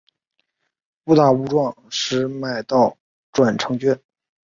误打误撞买到转乘券